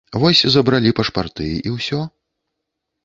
Вось забралі пашпарты, і ўсё.